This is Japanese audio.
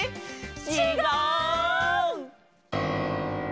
ちがう！